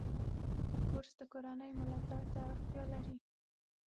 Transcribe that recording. کورس د کورنۍ ملاتړ ته اړتیا لري.